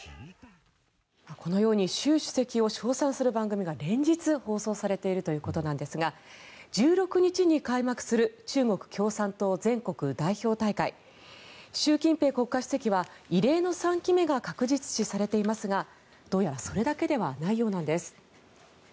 このように習主席を称賛する番組が連日、放送されているということなんですが１６日に開幕する中国共産党全国代表大会習近平国家主席は異例の３期目が確実視されていますがどうやらそれだけではないようなんです。